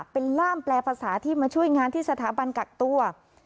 เป็นล่ามแปลภาษาที่มาช่วยงานที่สถาบันกักตัว